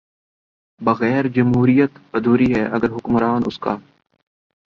بغیر جمہوریت ادھوری ہے اگر حکمران اس کا